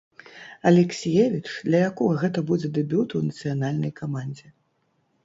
Алексіевіч, для якога гэта будзе дэбют у нацыянальнай камандзе.